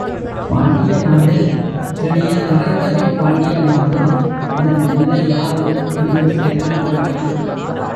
பாண்டிய நாடு செழியன் மறைந்தபின் பாண்டிய நாடு அதன் நிலை யாது? என்று சேரன் கேட்டான்.